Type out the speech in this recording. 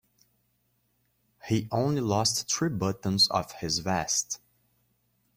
He only lost three buttons off his vest.